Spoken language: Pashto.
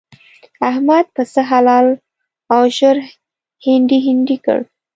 احمد پسه حلال او ژر هنډي هنډي کړ.